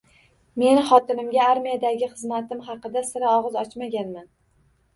Men xotinimga armiyadagi xizmatim haqida sira og`iz ochmaganman